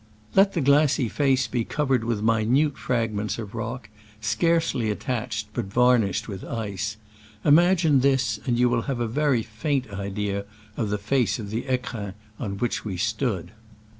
Let the glassy face be covered with minute fragments of rock, scarcely attached, but varnished with ice : imag ine this, and then you will have a very faint idea of the face of the fecrins on which we stood.